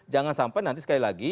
jangan sampai nanti sekali lagi